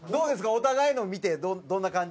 お互いのを見てどんな感じ？